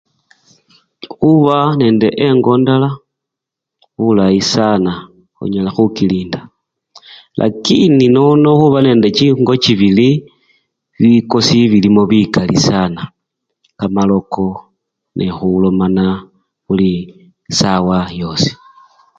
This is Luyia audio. Khuba nende engo endala, bulayi sana onyala khukilinda lakini nono khuba nende chingo chibili, bikosi bilimo bikali sana, kamaloko nekhulomana buli esawa yosi.